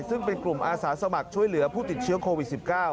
ซึ่งเป็นกลุ่มอาสาสมัครช่วยเหลือผู้ติดเชื้อโควิด๑๙